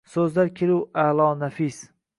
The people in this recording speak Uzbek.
Soʼzlar kelur aʼlo, nafis